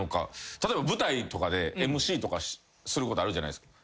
例えば舞台とかでＭＣとかすることあるじゃないですか。